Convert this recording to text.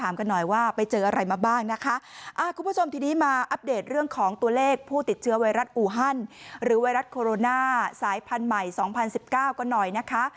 มาอัปเดตเรื่องของตัวเลขผู้ติดเชื้อไวรัสอุหั่นหรือไวรัสโคโรนาสายพันธุ์ใหม่๒๐๑๙ก็หน่อยนะคะ